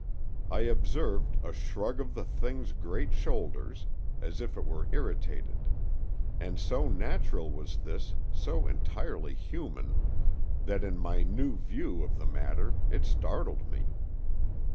I observed a shrug of the thing's great shoulders, as if it were irritated: and so natural was this—so entirely human—that in my new view of the matter it startled me.